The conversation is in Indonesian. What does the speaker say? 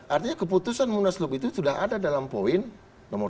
artinya keputusan munaslup itu sudah ada dalam poin nomor dua